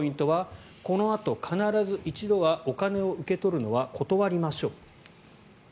ここのポイントはこのあと必ず一度はお金を受け取るのは断りましょう。